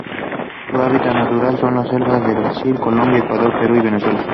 Su hábitat natural son las selvas de Brasil, Colombia, Ecuador, Perú y Venezuela.